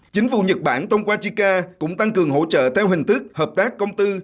chính phủ nhật bản thông qua chica cũng tăng cường hỗ trợ theo hình thức hợp tác công tư